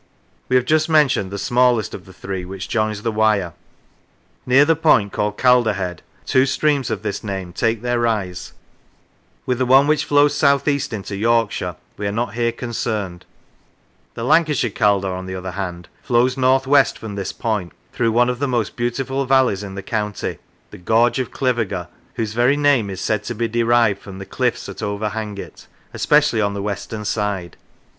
We have just mentioned the smallest of the three, which joins the Wyre. Near the point called C alder head, two streams of this same name take their rise ; with the one which flows south east into Yorkshire we are not here concerned; the Lancashire Calder, on the other hand, flows north west from this point through one of the most beautiful valleys in the county, the Gorge of Cliviger, whose very name is said to be derived from the cliffs that overhang it, especially on the western side.